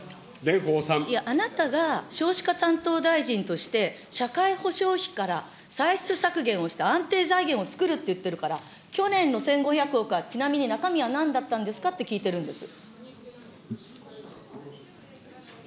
あなたが少子化担当大臣として、社会保障費から歳出削減をして安定財源を作るって言ってるから、去年の１５００億は、ちなみに中身はなんだったんですかって聞いてるんです。